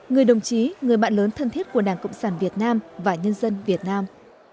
người đồng chí người bạn lớn thân thiết của đảng cộng sản việt nam và nhân dân việt nam